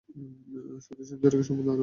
শক্তিসঞ্চারকের সম্বন্ধে আরও অনেক বাধাবিঘ্ন।